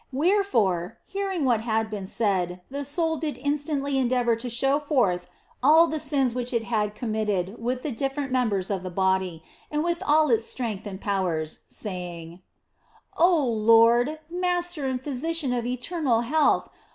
Wherefore, hearing what had been said, the soul did instantly endeavour to show forth all the sins which it had committed with the different members of the body and with all its own strength and powers, saying :" Oh Lord, Master and Physician of eternal health